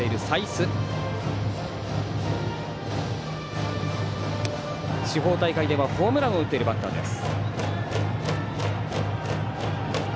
地方大会ではホームランを打っているバッターです。